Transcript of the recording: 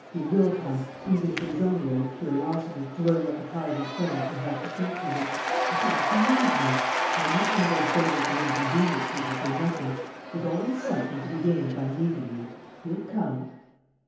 He will come, even if it is only out of curiosity, to learn what the Kaiser's friend can have to say to him. Besides, he knows me! I am not one of those beggars who inconvenience people for nothing. There's always something to be gained by meeting me. He'll come!"